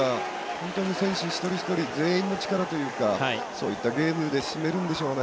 本当に、選手一人一人全員の力というかそういったゲームで締めるんでしょうね